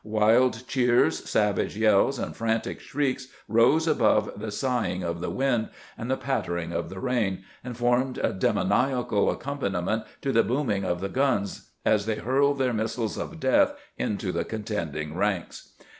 Wild cheers, savage yells, and frantic shrieks rose above the sighing of the wind and the pattering of the rain, and formed a demo niacal accompaniment to the booming of the guns as they hurled their missUes of death into the contending ranks.